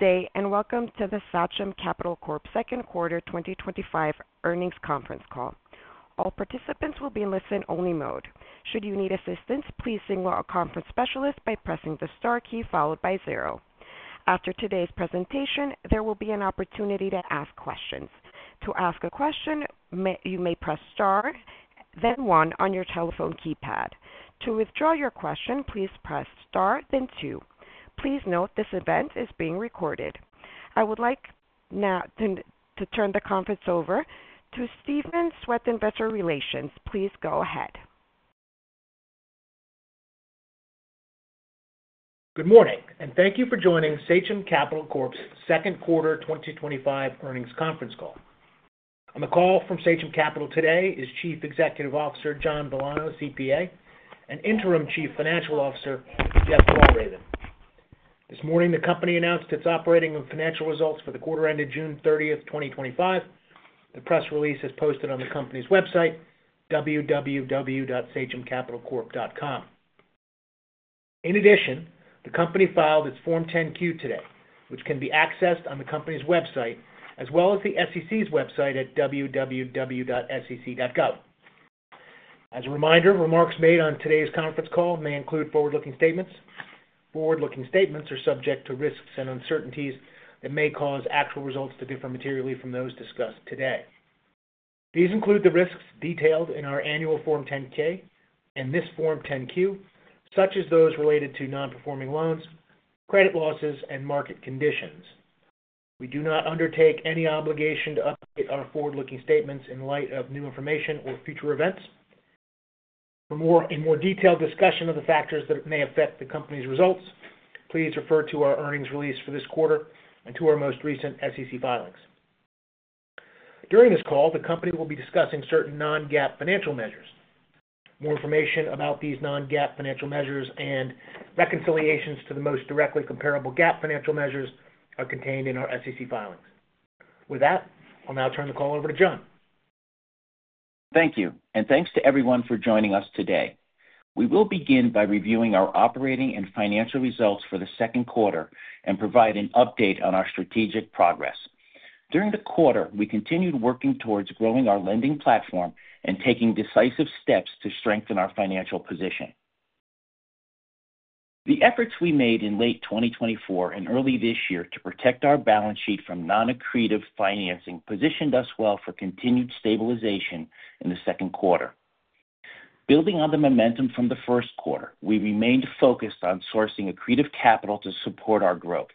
Good day and welcome to the Sachem Capital Corp. Second Quarter 2025 Earnings Conference Call. All participants will be in listen-only mode. Should you need assistance, please signal a conference specialist by pressing the star key followed by zero. After today's presentation, there will be an opportunity to ask questions. To ask a question, you may press star, then one on your telephone keypad. To withdraw your question, please press star, then two. Please note this event is being recorded. I would like now to turn the conference over to Stephen Swett, Investor Relations. Please go ahead. Good morning and thank you for joining Sachem Capital Corp.'s Second Quarter 2025 Earnings Conference Call. On the call from Sachem Capital today is Chief Executive Officer John Villano, CPA, and Interim Chief Financial Officer Jeff Walraven. This morning, the company announced its operating and financial results for the quarter ended June 30th, 2025. The press release is posted on the company's website, www.sachemcapitalcorp.com. In addition, the company filed its Form 10-Q today, which can be accessed on the company's website as well as the SEC's website at www.sec.gov. As a reminder, remarks made on today's conference call may include forward-looking statements. Forward-looking statements are subject to risks and uncertainties that may cause actual results to differ materially from those discussed today. These include the risks detailed in our annual Form 10-K and this Form 10-Q, such as those related to non-performing loans, credit losses, and market conditions. We do not undertake any obligation to update our forward-looking statements in light of new information or future events. For more detailed discussion of the factors that may affect the company's results, please refer to our earnings release for this quarter and to our most recent SEC filings. During this call, the company will be discussing certain non-GAAP financial measures. More information about these non-GAAP financial measures and reconciliations to the most directly comparable GAAP financial measures are contained in our SEC filings. With that, I'll now turn the call over to John. Thank you, and thanks to everyone for joining us today. We will begin by reviewing our operating and financial results for the second quarter and provide an update on our strategic progress. During the quarter, we continued working towards growing our lending platform and taking decisive steps to strengthen our financial position. The efforts we made in late 2024 and early this year to protect our balance sheet from non-accretive financing positioned us well for continued stabilization in the second quarter. Building on the momentum from the first quarter, we remained focused on sourcing accretive capital to support our growth.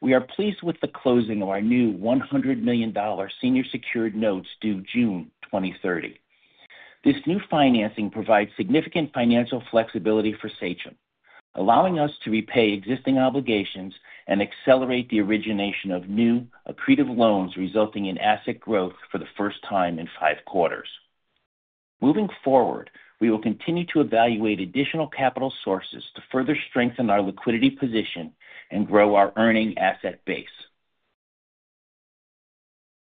We are pleased with the closing of our new $100 million senior secured notes facility due June 2030. This new financing provides significant financial flexibility for Sachem., allowing us to repay existing obligations and accelerate the origination of new accretive loans, resulting in asset growth for the first time in five quarters. Moving forward, we will continue to evaluate additional capital sources to further strengthen our liquidity position and grow our earning asset base.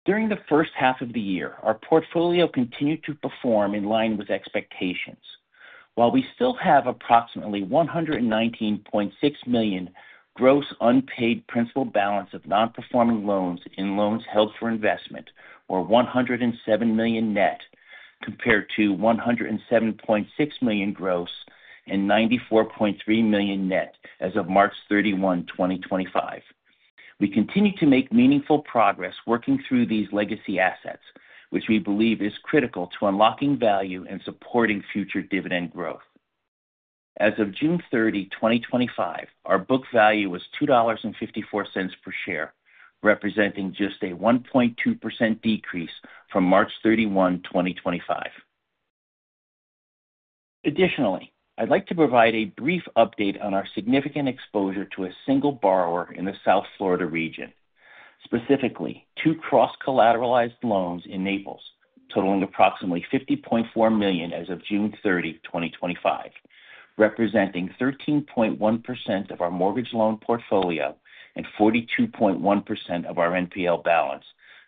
During the first half of the year, our portfolio continued to perform in line with expectations. While we still have approximately $119.6 million gross unpaid principal balance of non-performing loans in loans held for investment, or $107 million net, compared to $107.6 million gross and $94.3 million net as of March 31, 2025, we continue to make meaningful progress working through these legacy assets, which we believe is critical to unlocking value and supporting future dividend growth. As of June 30, 2025, our book value was $2.54 per share, representing just a 1.2% decrease from March 31, 2025. Additionally, I'd like to provide a brief update on our significant exposure to a single borrower in the South Florida region. Specifically, two cross-collateralized loans in Naples, totaling approximately $50.4 million as of June 30, 2025, representing 13.1% of our mortgage loan portfolio and 42.1% of our NPL balance,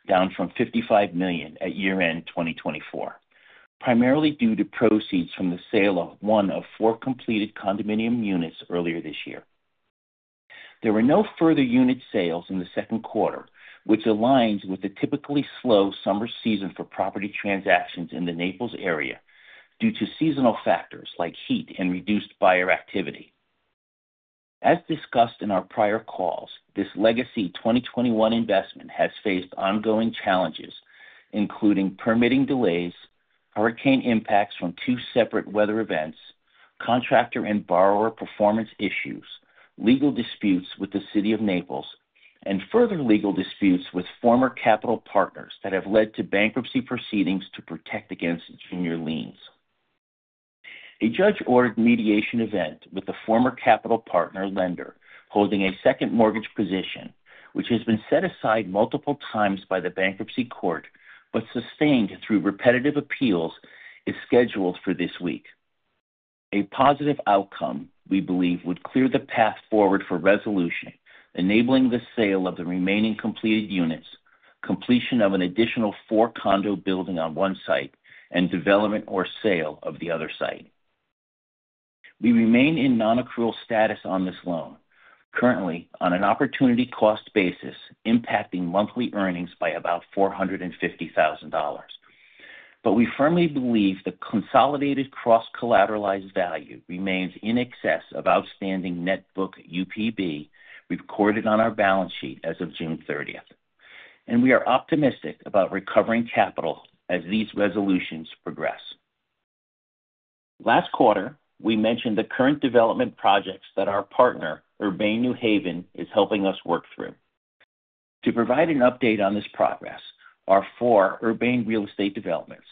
down from $55 million at year-end 2024, primarily due to proceeds from the sale of one of four completed condominium units earlier this year. There were no further unit sales in the second quarter, which aligns with the typically slow summer season for property transactions in the Naples area due to seasonal factors like heat and reduced buyer activity. As discussed in our prior calls, this legacy 2021 investment has faced ongoing challenges, including permitting delays, hurricane impacts from two separate weather events, contractor and borrower performance issues, legal disputes with the City of Naples, and further legal disputes with former capital partners that have led to bankruptcy proceedings to protect against junior liens. A judge-ordered mediation event with the former capital partner lender, holding a second mortgage position, which has been set aside multiple times by the bankruptcy court but sustained through repetitive appeals, is scheduled for this week. A positive outcome, we believe, would clear the path forward for resolution, enabling the sale of the remaining completed units, completion of an additional four-condo building on one site, and development or sale of the other site. We remain in non-accrual status on this loan, currently on an opportunity cost basis, impacting monthly earnings by about $450,000. We firmly believe the consolidated cross-collateralized value remains in excess of outstanding net book UPB recorded on our balance sheet as of June 30th. We are optimistic about recovering capital as these resolutions progress. Last quarter, we mentioned the current development projects that our partner, Urbane New Haven, is helping us work through. To provide an update on this progress, our four Urbane Real Estate developments,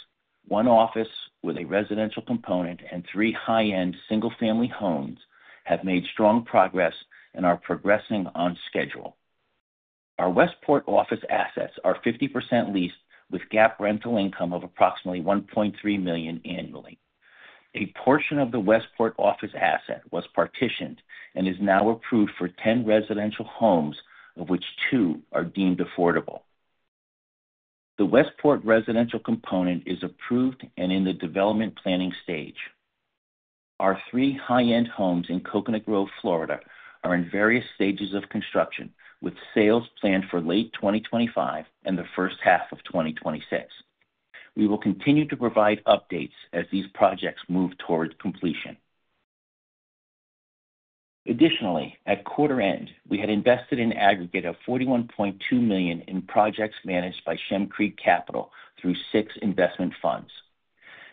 one office with a residential component and three high-end single-family homes, have made strong progress and are progressing on schedule. Our Westport office assets are 50% leased with GAAP rental income of approximately $1.3 million annually. A portion of the Westport office asset was partitioned and is now approved for 10 residential homes, of which two are deemed affordable. The Westport residential component is approved and in the development planning stage. Our three high-end homes in Coconut Grove, Florida, are in various stages of construction, with sales planned for late 2025 and the first half of 2026. We will continue to provide updates as these projects move towards completion. Additionally, at quarter end, we had invested an aggregate of $41.2 million in projects managed by Shem Creek Capital through six investment funds.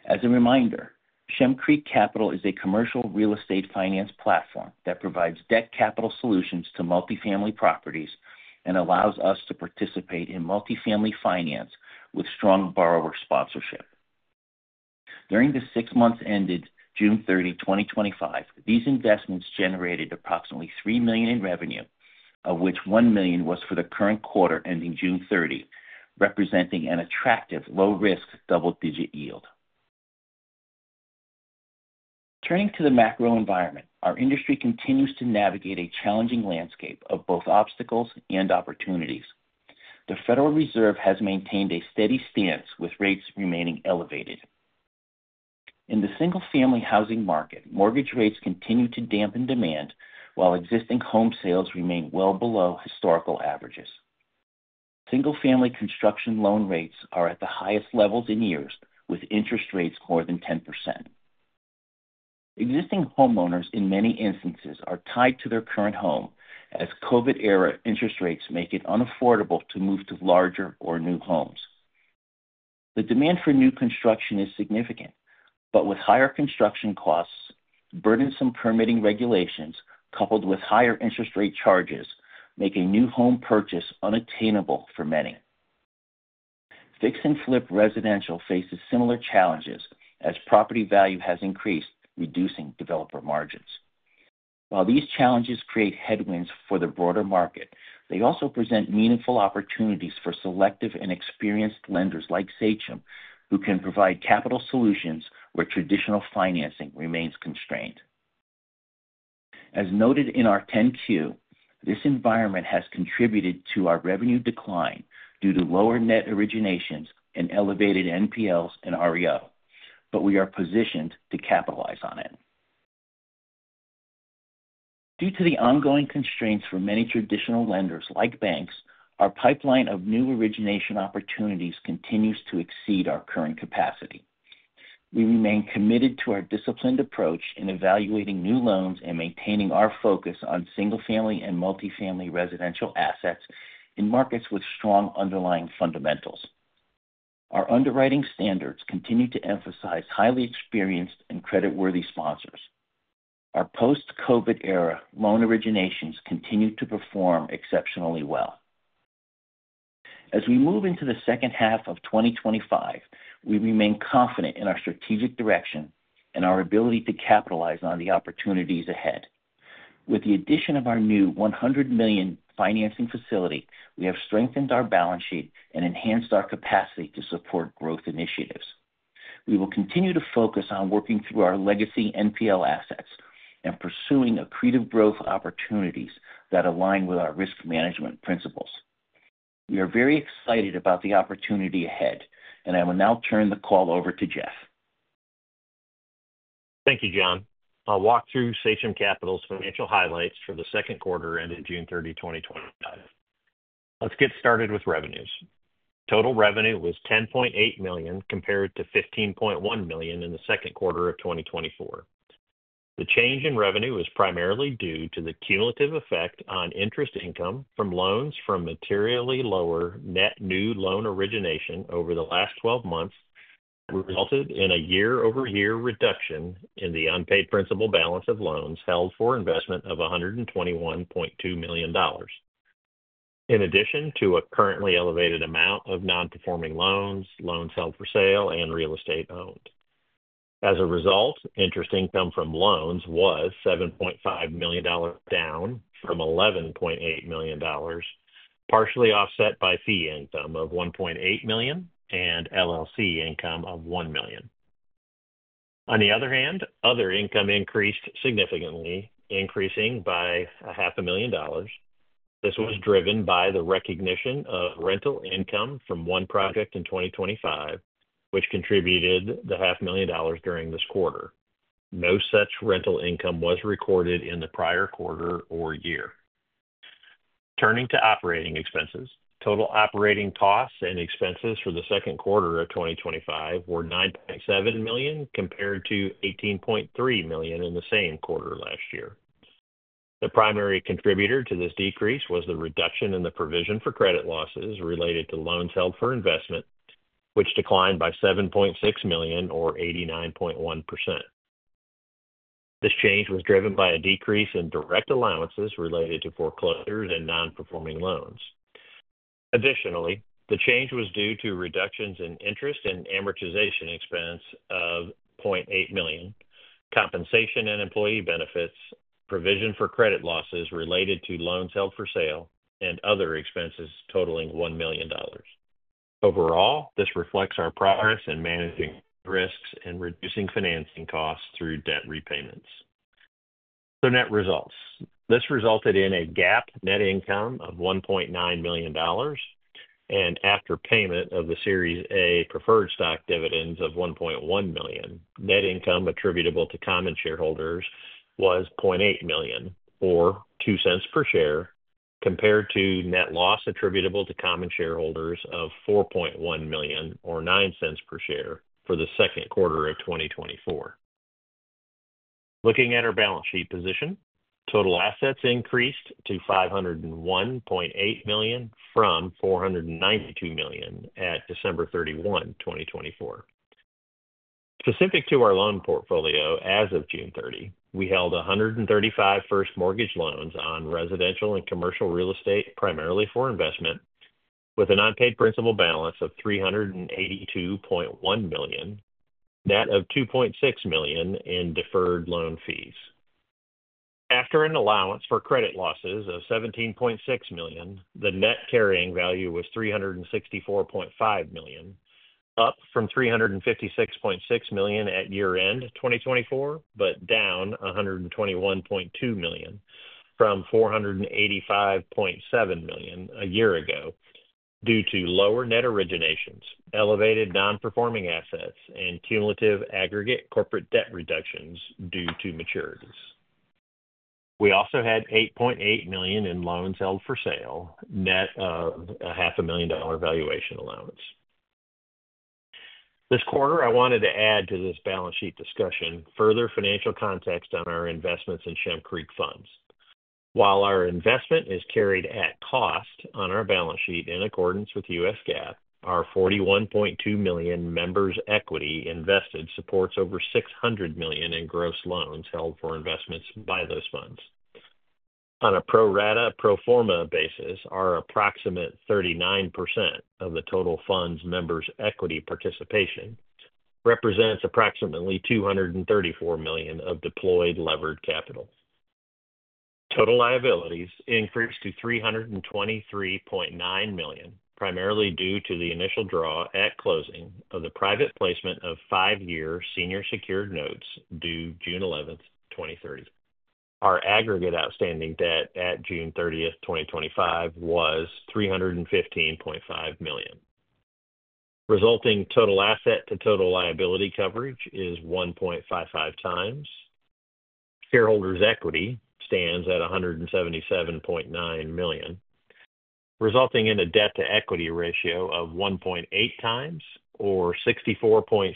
As a reminder, Shem Creek Capital is a commercial real estate finance platform that provides debt capital solutions to multifamily properties and allows us to participate in multifamily finance with strong borrower sponsorship. During the six months ended June 30, 2025, these investments generated approximately $3 million in revenue, of which $1 million was for the current quarter ending June 30, representing an attractive low-risk double-digit yield. Turning to the macro environment, our industry continues to navigate a challenging landscape of both obstacles and opportunities. The Federal Reserve has maintained a steady stance, with rates remaining elevated. In the single-family housing market, mortgage rates continue to dampen demand while existing home sales remain well below historical averages. Single-family construction loan rates are at the highest levels in years, with interest rates more than 10%. Existing homeowners in many instances are tied to their current home, as COVID-era interest rates make it unaffordable to move to larger or new homes. The demand for new construction is significant, but with higher construction costs, burdensome permitting regulations, coupled with higher interest rate charges, make a new home purchase unattainable for many. Fix and flip residential faces similar challenges as property value has increased, reducing developer margins. While these challenges create headwinds for the broader market, they also present meaningful opportunities for selective and experienced lenders like Sachem, who can provide capital solutions where traditional financing remains constrained. As noted in our 10-Q, this environment has contributed to our revenue decline due to lower net originations and elevated NPLs and REO, but we are positioned to capitalize on it. Due to the ongoing constraints for many traditional lenders like banks, our pipeline of new origination opportunities continues to exceed our current capacity. We remain committed to our disciplined approach in evaluating new loans and maintaining our focus on single-family and multifamily residential assets in markets with strong underlying fundamentals. Our underwriting standards continue to emphasize highly experienced and creditworthy sponsors. Our post-COVID-era loan originations continue to perform exceptionally well. As we move into the second half of 2025, we remain confident in our strategic direction and our ability to capitalize on the opportunities ahead. With the addition of our new $100 million financing facility, we have strengthened our balance sheet and enhanced our capacity to support growth initiatives. We will continue to focus on working through our legacy NPL assets and pursuing accretive growth opportunities that align with our risk management principles. We are very excited about the opportunity ahead, and I will now turn the call over to Jeff. Thank you, John. I'll walk through Sachem Capital's financial highlights for the second quarter ended June 30, 2025. Let's get started with revenues. Total revenue was $10.8 million compared to $15.1 million in the second quarter of 2024. The change in revenue is primarily due to the cumulative effect on interest income from loans from materially lower net new loan origination over the last 12 months, resulting in a year-over-year reduction in the unpaid principal balance of loans held for investment of $121.2 million, in addition to a currently elevated amount of non-performing loans, loans held for sale, and real estate owned. As a result, interest income from loans was $7.5 million, down from $11.8 million, partially offset by fee income of $1.8 million and LLC income of $1 million. On the other hand, other income increased significantly, increasing by half a million dollars. This was driven by the recognition of rental income from one project in 2025, which contributed the half a million dollars during this quarter. No such rental income was recorded in the prior quarter or year. Turning to operating expenses, total operating costs and expenses for the second quarter of 2025 were $9.7 million compared to $18.3 million in the same quarter last year. The primary contributor to this decrease was the reduction in the provision for credit losses related to loans held for investment, which declined by $7.6 million or 89.1%. This change was driven by a decrease in direct allowances related to foreclosures and non-performing loans. Additionally, the change was due to reductions in interest and amortization expense of $0.8 million, compensation and employee benefits, provision for credit losses related to loans held for sale, and other expenses totaling $1 million. Overall, this reflects our progress in managing risks and reducing financing costs through debt repayments. Net results: this resulted in a GAAP net income of $1.9 million, and after payment of the Series A preferred stock dividends of $1.1 million, net income attributable to common shareholders was $0.8 million or $0.02 per share, compared to net loss attributable to common shareholders of $4.1 million or $0.09 per share for the second quarter of 2024. Looking at our balance sheet position, total assets increased to $501.8 million from $492 million at December 31, 2024. Specific to our loan portfolio, as of June 30, we held 135 first mortgage loans on residential and commercial real estate, primarily for investment, with an unpaid principal balance of $382.1 million, net of $2.6 million in deferred loan fees. After an allowance for credit losses of $17.6 million, the net carrying value was $364.5 million, up from $356.6 million at year-end 2024, but down $121.2 million from $485.7 million a year ago due to lower net originations, elevated non-performing assets, and cumulative aggregate corporate debt reductions due to maturities. We also had $8.8 million in loans held for sale, net of a $0.5 million valuation allowance. This quarter, I wanted to add to this balance sheet discussion further financial context on our investments in Shem Creek funds. While our investment is carried at cost on our balance sheet in accordance with U.S. GAAP, our $41.2 million members' equity invested supports over $600 million in gross loans held for investments by those funds. On a pro rata pro forma basis, our approximate 39% of the total funds' members' equity participation represents approximately $234 million of deployed levered capital. Total liabilities increased to $323.9 million, primarily due to the initial draw at closing of the private placement of five-year senior secured notes due June 11, 2030. Our aggregate outstanding debt at June 30, 2025 was $315.5 million. Resulting total asset to total liability coverage is 1.55x. Shareholders' equity stands at $177.9 million, resulting in a debt-to-equity ratio of 1.8x or 64.6%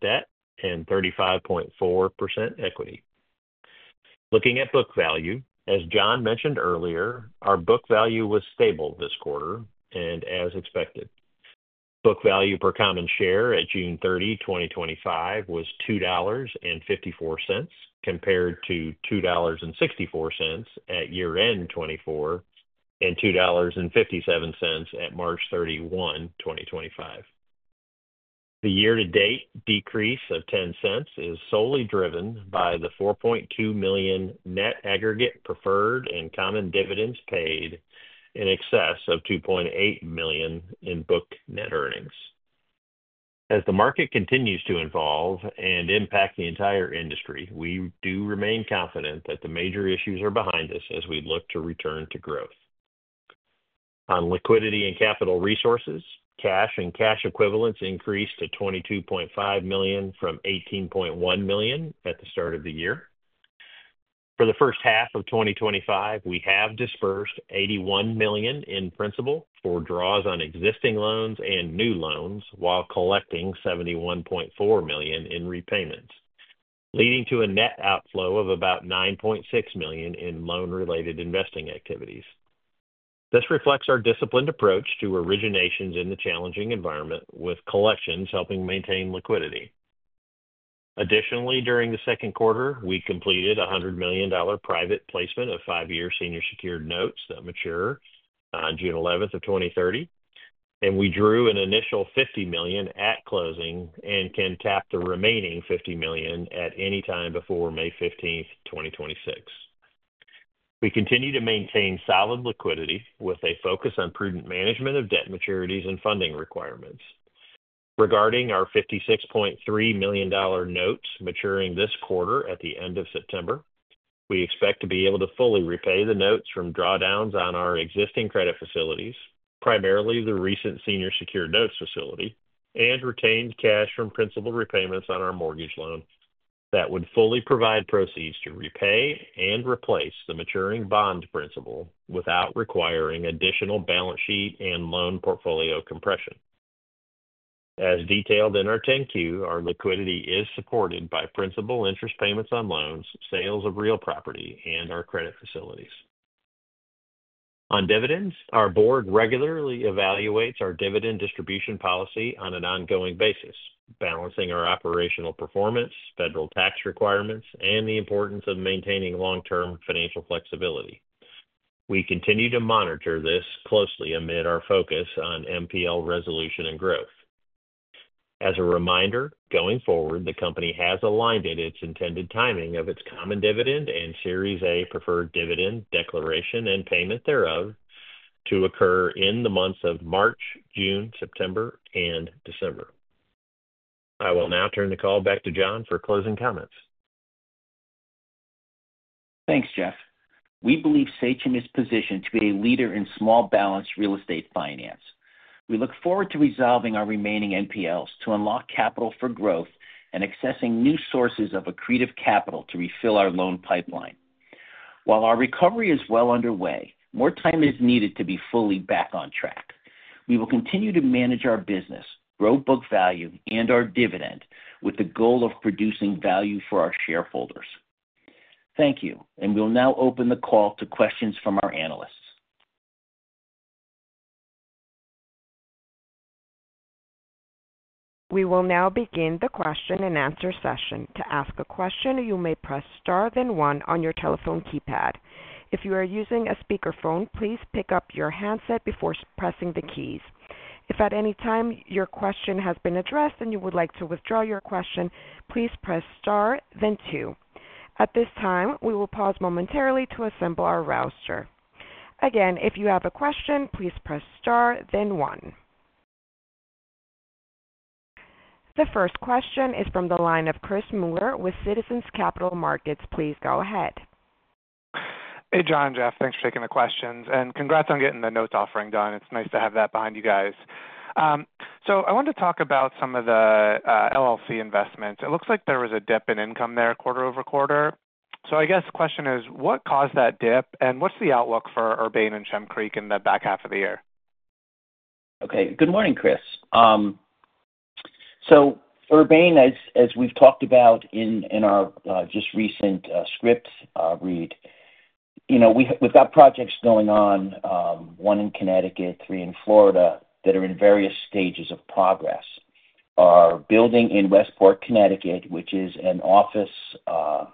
debt and 35.4% equity. Looking at book value, as John mentioned earlier, our book value was stable this quarter and as expected. Book value per common share at June 30, 2025 was $2.54, compared to $2.64 at year-end 2024 and $2.57 at March 31, 2025. The year-to-date decrease of $0.10 is solely driven by the $4.2 million net aggregate preferred and common dividends paid in excess of $2.8 million in book net earnings. As the market continues to evolve and impact the entire industry, we do remain confident that the major issues are behind us as we look to return to growth. On liquidity and capital resources, cash and cash equivalents increased to $22.5 million from $18.1 million at the start of the year. For the first half of 2025, we have disbursed $81 million in principal for draws on existing loans and new loans while collecting $71.4 million in repayments, leading to a net outflow of about $9.6 million in loan-related investing activities. This reflects our disciplined approach to originations in the challenging environment, with collections helping maintain liquidity. Additionally, during the second quarter, we completed a $100 million private placement of five-year senior secured notes that mature on June 11, 2030, and we drew an initial $50 million at closing and can tap the remaining $50 million at any time before May 15, 2026. We continue to maintain solid liquidity with a focus on prudent management of debt maturities and funding requirements. Regarding our $56.3 million notes maturing this quarter at the end of September, we expect to be able to fully repay the notes from drawdowns on our existing credit facilities, primarily the recent senior secured notes facility, and retained cash from principal repayments on our mortgage loan that would fully provide proceeds to repay and replace the maturing bond principal without requiring additional balance sheet and loan portfolio compression. As detailed in our 10-Q, our liquidity is supported by principal interest payments on loans, sales of real property, and our credit facilities. On dividends, our board regularly evaluates our dividend distribution policy on an ongoing basis, balancing our operational performance, federal tax requirements, and the importance of maintaining long-term financial flexibility. We continue to monitor this closely amid our focus on NPL resolution and growth. As a reminder, going forward, the company has aligned its intended timing of its common dividend and Series A preferred dividend declaration and payment thereof to occur in the months of March, June, September, and December. I will now turn the call back to John for closing comments. Thanks, Jeff. We believe Sachem is positioned to be a leader in small balance real estate finance. We look forward to resolving our remaining NPLs to unlock capital for growth and accessing new sources of accretive capital to refill our loan pipeline. While our recovery is well underway, more time is needed to be fully back on track. We will continue to manage our business, grow book value, and our dividend with the goal of producing value for our shareholders. Thank you, and we'll now open the call to questions from our analysts. We will now begin the question-and-answer session. To ask a question, you may press star, then one on your telephone keypad. If you are using a speakerphone, please pick up your handset before pressing the keys. If at any time your question has been addressed and you would like to withdraw your question, please press star, then two. At this time, we will pause momentarily to assemble our roster. Again, if you have a question, please press star, then one. The first question is from the line of Chris Muller with Citizens Capital Markets. Please go ahead. Hey, John and Jeff, thanks for taking the questions, and congrats on getting the notes offering done. It's nice to have that behind you guys. I wanted to talk about some of the LLC investments. It looks like there was a dip in income there quarter-over-quarter. I guess the question is, what caused that dip and what's the outlook for Urbane New Haven and Shem Creek Capital in the back half of the year? Okay, good morning, Chris. Urbane, as we've talked about in our just recent script read, we've got projects going on, one in Connecticut, three in Florida, that are in various stages of progress. Our building in Westport, Connecticut, which is an office, a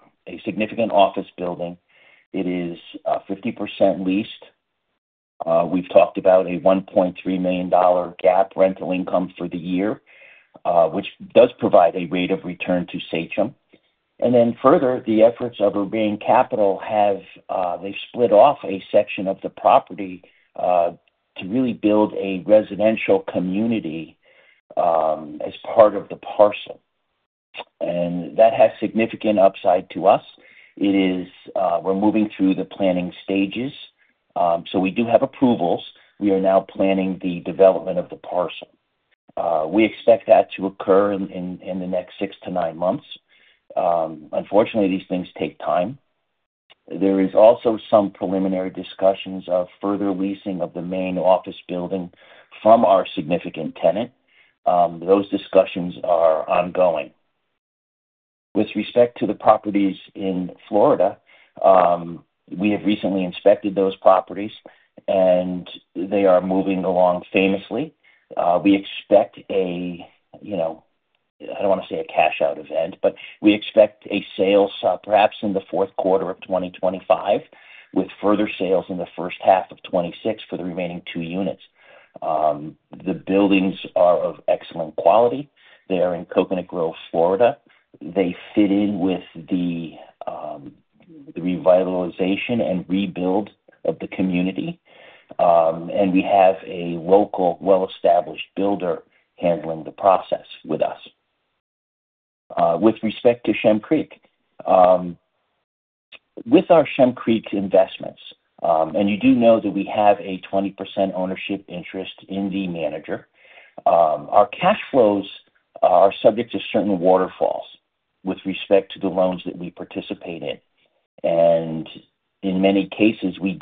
significant office building, is 50% leased. We've talked about a $1.3 million GAAP rental income for the year, which does provide a rate of return to Sachem. Further, the efforts of Urbane Capital have split off a section of the property to really build a residential community as part of the parcel, and that has significant upside to us. We're moving through the planning stages. We do have approvals. We are now planning the development of the parcel. We expect that to occur in the next six to nine months. Unfortunately, these things take time. There are also some preliminary discussions of further leasing of the main office building from our significant tenant. Those discussions are ongoing. With respect to the properties in Florida, we have recently inspected those properties, and they are moving along famously. We expect a, I don't want to say a cash-out event, but we expect a sale perhaps in the fourth quarter of 2025, with further sales in the first half of 2026 for the remaining two units. The buildings are of excellent quality. They are in Coconut Grove, Florida. They fit in with the revitalization and rebuild of the community. We have a local well-established builder handling the process with us. With respect to Shem Creek, with our Shem Creek investments, and you do know that we have a 20% ownership interest in the manager, our cash flows are subject to certain waterfalls with respect to the loans that we participate in. In many cases, we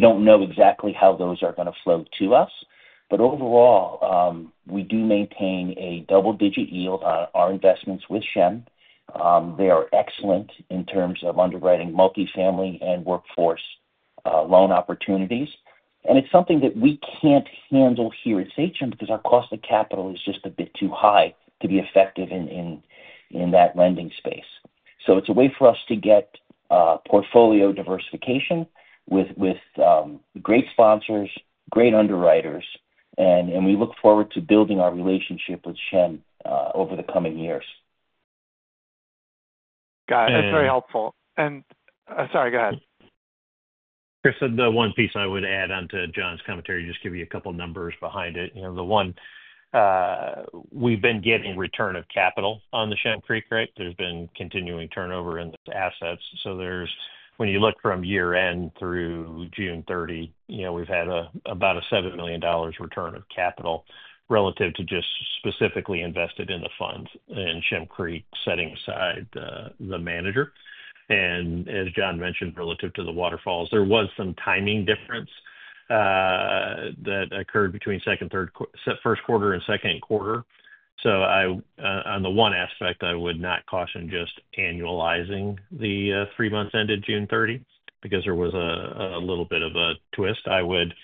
don't know exactly how those are going to flow to us. Overall, we do maintain a double-digit yield on our investments with Shem. They are excellent in terms of underwriting multifamily and workforce loan opportunities. It's something that we can't handle here at Sachem because our cost of capital is just a bit too high to be effective in that lending space. It's a way for us to get portfolio diversification with great sponsors, great underwriters, and we look forward to building our relationship with Shem over the coming years. Got it. That's very helpful. Sorry, go ahead. I said the one piece I would add on to John's commentary, just give you a couple of numbers behind it. You know, the one, we've been getting return of capital on the Shem Creek, right? There's been continuing turnover in the assets. When you look from year-end through June 30, we've had about a $7 million return of capital relative to just specifically invested in the funds in Shem Creek, setting aside the manager. As John mentioned, relative to the waterfalls, there was some timing difference that occurred between first quarter and second quarter. On the one aspect, I would not caution just annualizing the three months ended June 30 because there was a little bit of a twist. I would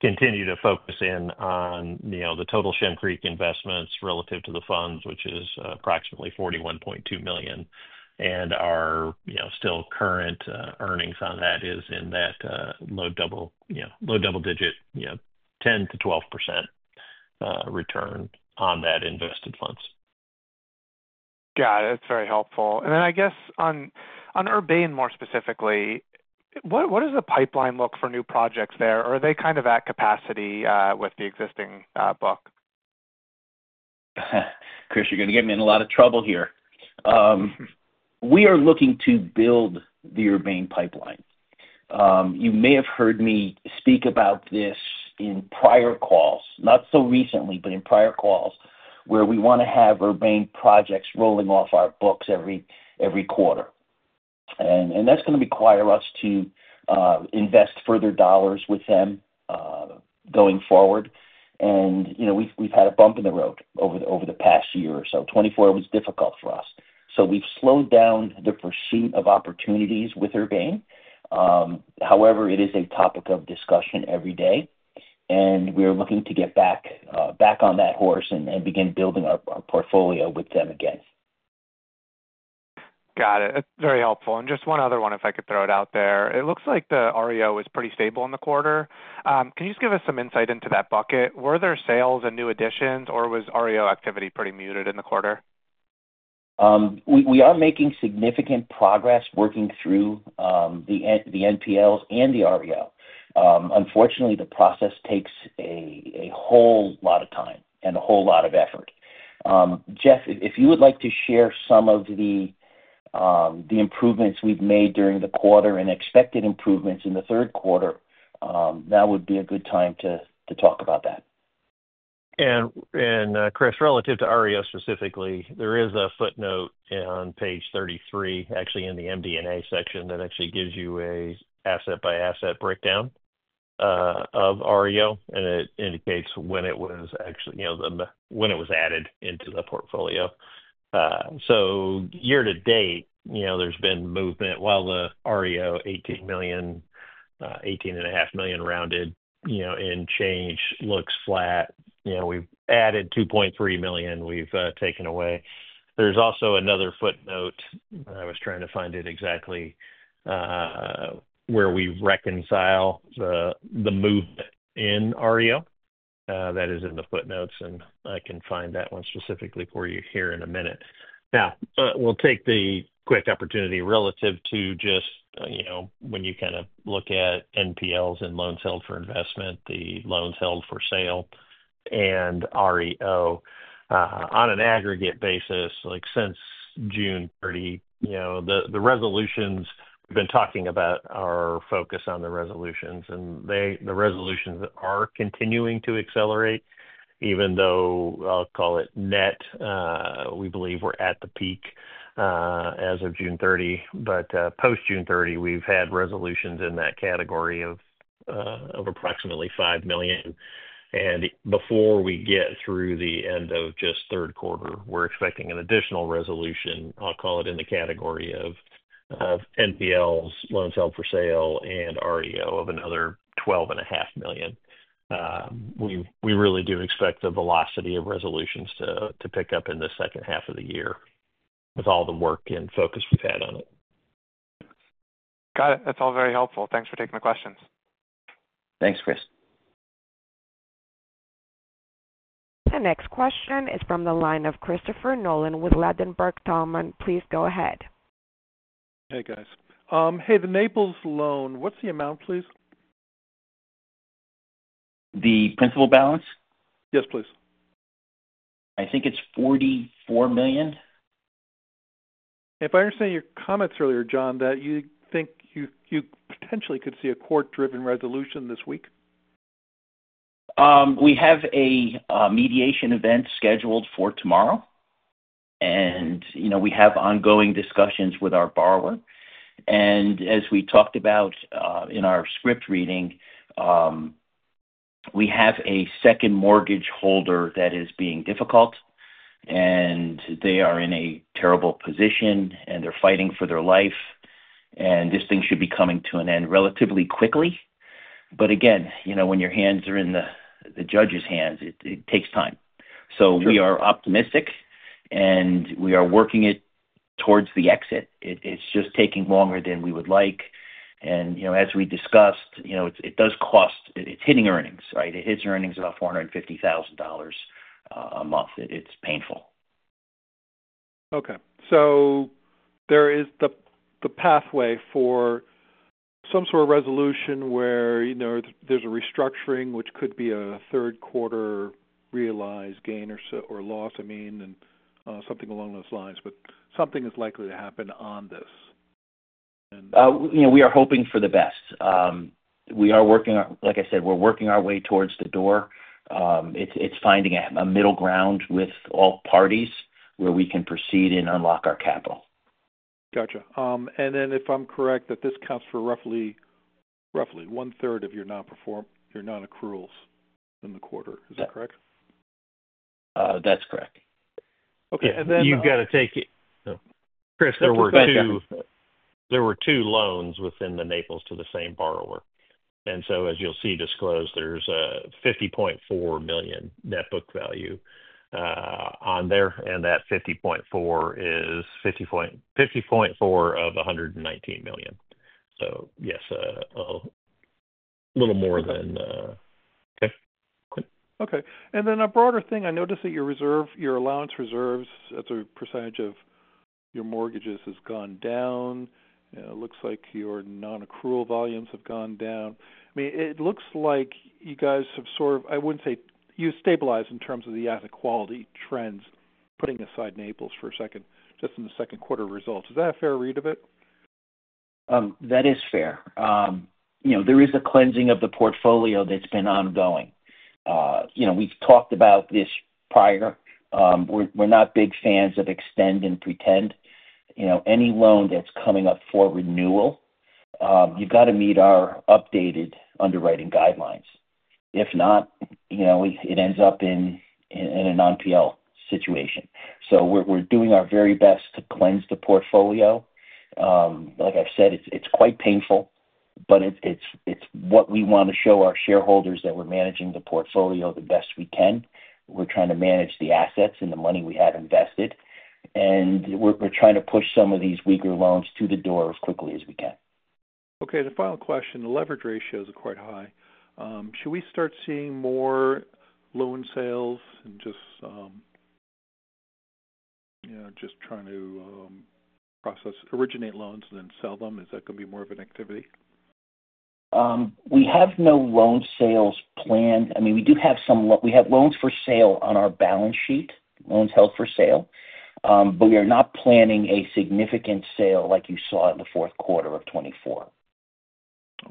continue to focus in on the total Shem Creek investments relative to the funds, which is approximately $41.2 million. Our still current earnings on that is in that low double digit, you know, 10%-12% return on that invested funds. Got it. That's very helpful. I guess on Urbane more specifically, what does the pipeline look for new projects there? Are they kind of at capacity with the existing book? Chris, you're going to get me in a lot of trouble here. We are looking to build the Urbane pipeline. You may have heard me speak about this in prior calls, not so recently, but in prior calls where we want to have Urbane projects rolling off our books every quarter. That is going to require us to invest further dollars with them going forward. We've had a bump in the road over the past year or so. 2024 was difficult for us. We have slowed down the proceed of opportunities with Urbane. However, it is a topic of discussion every day. We are looking to get back on that horse and begin building a portfolio with them again. Got it. That's very helpful. Just one other one, if I could throw it out there. It looks like the REO is pretty stable in the quarter. Can you just give us some insight into that bucket? Were there sales and new additions, or was REO activity pretty muted in the quarter? We are making significant progress working through the NPLs and the REO. Unfortunately, the process takes a whole lot of time and a whole lot of effort. Jeff, if you would like to share some of the improvements we've made during the quarter and expected improvements in the third quarter, that would be a good time to talk about that. Chris, relative to REO specifically, there is a footnote on page 33, actually in the MD&A section that gives you an asset-by-asset breakdown of REO, and it indicates when it was added into the portfolio. Year to date, there's been movement while the REO $18 million, $18.5 million rounded, in change looks flat. We've added $2.3 million. We've taken away. There is also another footnote. I was trying to find it exactly where we reconcile the move in REO. That is in the footnotes, and I can find that one specifically for you here in a minute. I'll take the quick opportunity relative to just when you look at NPLs and loans held for investment, the loans held for sale, and REO on an aggregate basis, like since June 30, the resolutions we've been talking about are focused on the resolutions, and the resolutions are continuing to accelerate, even though I'll call it net. We believe we're at the peak as of June 30, but post-June 30, we've had resolutions in that category of approximately $5 million. Before we get through the end of just third quarter, we're expecting an additional resolution, I'll call it in the category of NPLs, loans held for sale, and REO of another $12.5 million. We really do expect the velocity of resolutions to pick up in the second half of the year with all the work and focus we've had on it. Got it. That's all very helpful. Thanks for taking the questions. Thanks, Chris. The next question is from the line of Christopher Nolan with Ladenburg Thalmann. Please go ahead. Hey, guys. Hey, the Naples loan, what's the amount, please? The principal balance? Yes, please. I think it's $44 million. If I understand your comments earlier, John, you think you potentially could see a court-driven resolution this week? We have a mediation event scheduled for tomorrow, and we have ongoing discussions with our borrower. As we talked about in our script reading, we have a second mortgage holder that is being difficult, and they are in a terrible position, and they're fighting for their life. This thing should be coming to an end relatively quickly. Again, when your hands are in the judge's hands, it takes time. We are optimistic, and we are working it towards the exit. It's just taking longer than we would like. As we discussed, it does cost, it's hitting earnings, right? It hits earnings about $450,000 a month. It's painful. There is the pathway for some sort of resolution where, you know, there's a restructuring, which could be a third quarter realized gain or loss, I mean, and something along those lines. Something is likely to happen on this. We are hoping for the best. We are working on, like I said, we're working our way towards the door. It's finding a middle ground with all parties where we can proceed and unlock our capital. Gotcha. If I'm correct, this counts for roughly 1/3 of your non-accruals in the quarter. Is that correct? That's correct. Okay. Then. You've got to take it. Chris, there were two loans within the Naples to the same borrower. As you'll see disclosed, there's a $50.4 million net book value on there, and that $50.4 million is $50.4 million of $119 million. Yes, a little more than, okay. Okay. A broader thing, I noticed that your reserve, your allowance reserves, as a percentage of your mortgages has gone down. It looks like your non-accrual volumes have gone down. It looks like you guys have sort of, I wouldn't say you stabilized in terms of the asset quality trends, putting aside Naples for a second, just in the second quarter results. Is that a fair read of it? That is fair. There is a cleansing of the portfolio that's been ongoing. We've talked about this prior. We're not big fans of extend and pretend. Any loan that's coming up for renewal, you've got to meet our updated underwriting guidelines. If not, it ends up in an NPL situation. We're doing our very best to cleanse the portfolio. Like I've said, it's quite painful, but we want to show our shareholders that we're managing the portfolio the best we can. We're trying to manage the assets and the money we have invested. We're trying to push some of these weaker loans to the door as quickly as we can. Okay. The final question, the leverage ratios are quite high. Should we start seeing more loan sales and just, you know, just trying to process, originate loans and then sell them? Is that going to be more of an activity? We have no loan sales planned. We do have some, we have loans for sale on our balance sheet, loans held for sale, but we are not planning a significant sale like you saw in the fourth quarter of 2024.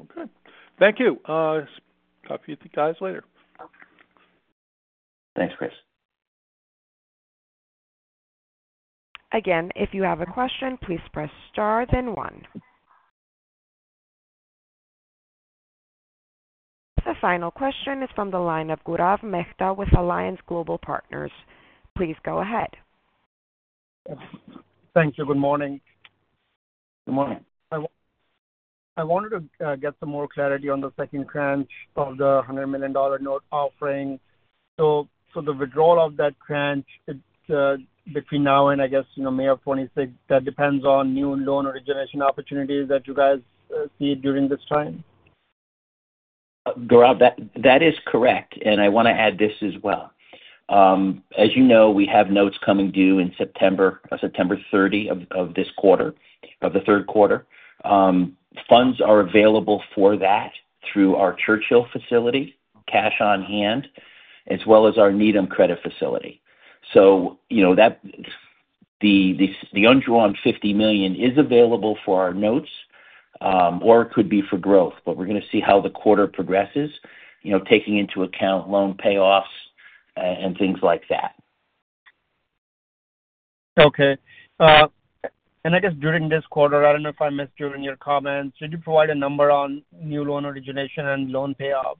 Okay, thank you. Talk to you guys later. Thanks, Chris. Again, if you have a question, please press star then one. The final question is from the line of Gaurav Mehta with Alliance Global Partners. Please go ahead. Thank you. Good morning. Good morning. I wanted to get some more clarity on the second tranche of the $100 million note offering. For the withdrawal of that tranche, it's between now and, I guess, you know, May of 2026, that depends on new loan origination opportunities that you guys see during this time? Gaurav, that is correct. I want to add this as well. As you know, we have notes coming due on September 30 of this quarter, of the third quarter. Funds are available for that through our Churchill facility, cash on hand, as well as our Needham Credit facility. You know that the unjoined $50 million is available for our notes, or it could be for growth, but we're going to see how the quarter progresses, taking into account loan payoffs and things like that. Okay. During this quarter, I don't know if I missed during your comments, did you provide a number on new loan origination and loan payoffs?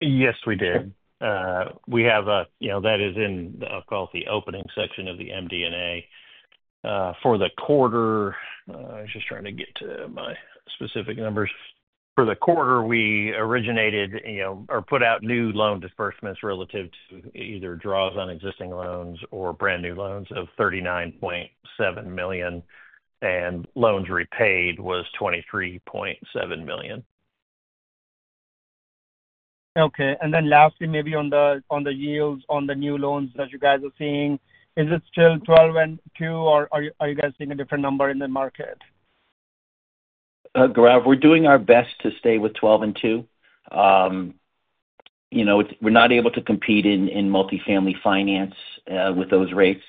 Yes, we did. That is in, I'll call it the opening section of the MD&A. For the quarter, I was just trying to get to my specific numbers. For the quarter, we originated, or put out new loan disbursements relative to either draws on existing loans or brand new loans of $39.7 million, and loans repaid was $23.7 million. Okay. Lastly, maybe on the yields on the new loans that you guys are seeing, is it still 12 and 2, or are you guys seeing a different number in the market? Gaurav, we're doing our best to stay with 12 and 2. We're not able to compete in multifamily finance with those rates,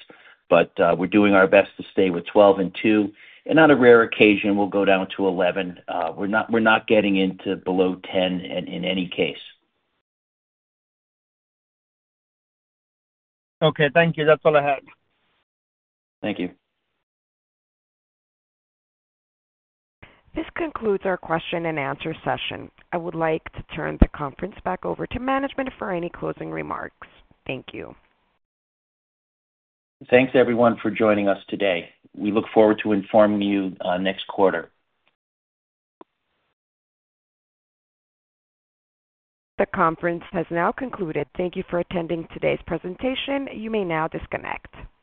but we're doing our best to stay with 12 and 2. On a rare occasion, we'll go down to 11. We're not getting into below 10 in any case. Okay. Thank you. That's all I had. Thank you. This concludes our question-and-answer session. I would like to turn the conference back over to management for any closing remarks. Thank you. Thanks, everyone, for joining us today. We look forward to informing you next quarter. The conference has now concluded. Thank you for attending today's presentation. You may now disconnect.